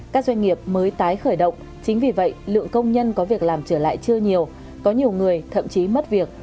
các doanh nghiệp mới tái khởi động chính vì vậy lượng công nhân có việc làm trở lại chưa nhiều có nhiều người thậm chí mất việc